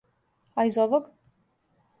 А из овог?